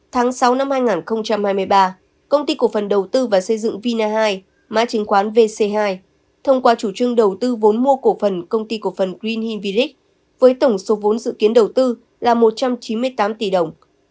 tháng sáu năm hai nghìn hai mươi ba công ty cổ phần đầu tư và xây dựng vina hai thông qua chủ trương đầu tư vốn mua cổ phần công ty cổ phần green hill village với tổng số vốn dự kiến đầu tư là một trăm chín mươi tám tỷ đồng